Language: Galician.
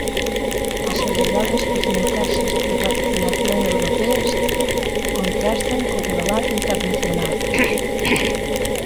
As elevadas porcentaxes de vacinación europeas contrastan co global internacional.